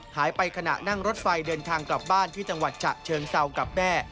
ขณะนั่งรถไฟเดินทางกลับบ้านที่จังหวัดฉะเชิงเซากับแม่